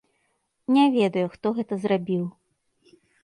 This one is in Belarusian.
Не ведаю, хто гэта зрабіў.